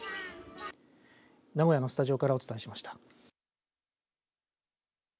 名古屋のスタジオからお伝えしました。